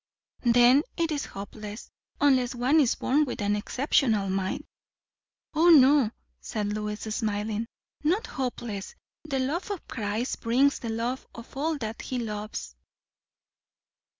"Then it is hopeless! unless one is born with an exceptional mind." "O no," said Lois, smiling, "not hopeless. The love of Christ brings the love of all that he loves."